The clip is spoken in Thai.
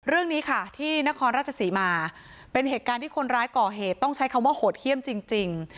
เรื่องนี้ค่ะที่นครราชศรีมาเป็นเหตุการณ์ที่คนร้ายก่อเหตุต้องใช้คำว่าโหดเยี่ยมจริง